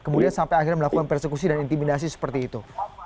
kemudian sampai akhirnya melakukan persekusi dan intimidasi seperti itu